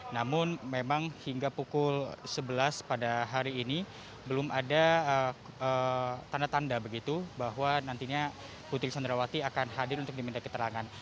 namun memang hingga pukul sebelas pada hari ini belum ada tanda tanda begitu bahwa nantinya putri candrawati akan hadir untuk diminta keterangan